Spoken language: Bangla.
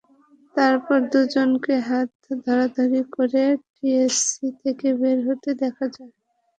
অতঃপর দুজনকে হাত ধরাধরি করে টিএসসি থেকে বের হতে দেখা যায়।